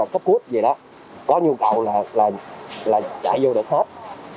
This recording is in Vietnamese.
có nhu cầu là chạy vô được hết